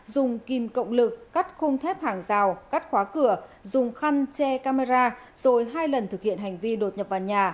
dùng kim cộng lực cắt khung thép hàng rào cắt khóa cửa dùng khăn che camera rồi hai lần thực hiện hành vi đột nhập vào nhà